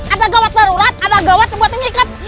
ada gawat yang berkara